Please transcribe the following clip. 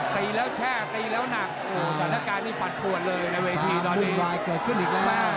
ตีแล้วแช่ตีแล้วหนักโหสรรพาการนี้ฝัดปวดเลยในเวทีตอนนี้